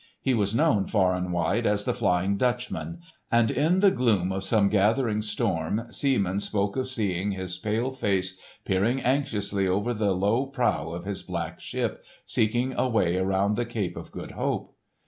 He was known far and wide as the Flying Dutchman, and in the gloom of some gathering storm seamen spoke of seeing his pale face peering anxiously over the low prow of his black ship, seeking a way around the Cape of Good Hope.